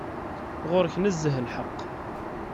Ɣur-k nezzeh lḥeqq.